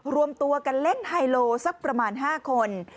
รวมตัวกันเล่นไฮโลสักประมาณ๕คน